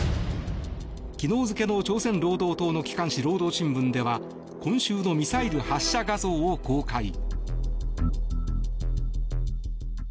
昨日付の朝鮮労働党の機関紙労働新聞では今週のミサイル発射画像を公開。